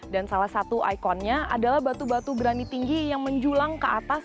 dan salah satu ikonnya adalah batu batu granit tinggi yang menjulang ke atas